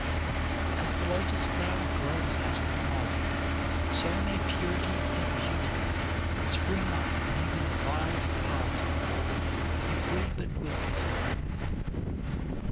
As the lotus flower grows out of the mud, so may purity and beauty spring up from even the vilest past if we but will it so.